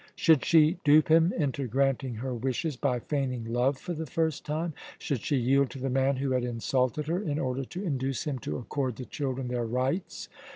Should she dupe him into granting her wishes by feigning love for the first time? Should she yield to the man who had insulted her, in order to induce him to accord the children their rights?